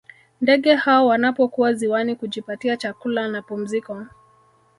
Ndege hao wanapokuwa ziwani kujipatia chakula na pumziko